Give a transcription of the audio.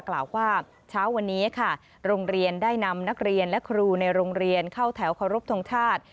กล่าวว่าเช้าวันนี้ค่ะโรงเรียนได้นำนักเรียนและครูในโรงเรียนเข้าแถวเคารพทงชาติ